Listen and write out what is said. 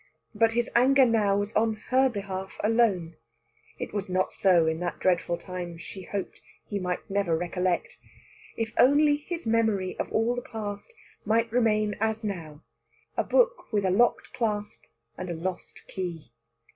But his anger now was on her behalf alone; it was not so in that dreadful time she hoped he might never recollect. If only his memory of all the past might remain as now, a book with a locked clasp and a lost key!